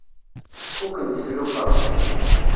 Fukkent tlufa.